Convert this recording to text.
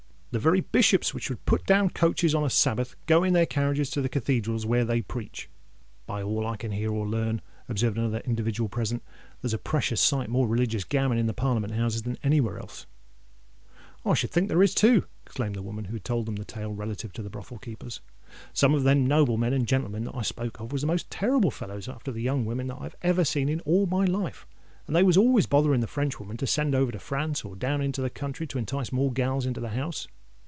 The very Bishops which would put down coaches on a Sabbath, goes in their carriages to the Cathedrals where they preach." "By all I can hear or learn," observed another individual present, "there's a precious sight more religious gammon in the Parliament Houses than anywheres else." "I should think there is too," exclaimed the woman who had told the tale relative to the brothel keepers. "Some of them noblemen and gentlemen that I spoke of was the most terrible fellows after the young women that I ever see in all my life; and they was always a bothering the Frenchwoman to send over to France, or down into the country, to entice more gals to the house.